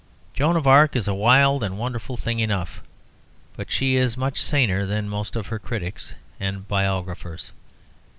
Joan of Arc is a wild and wonderful thing enough, but she is much saner than most of her critics and biographers.